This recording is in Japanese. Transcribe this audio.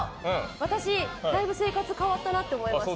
私、だいぶ生活が変わったなと思いました。